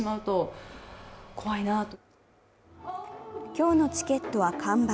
今日のチケットは完売。